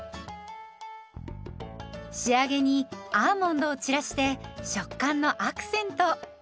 仕上げにアーモンドを散らして食感のアクセント。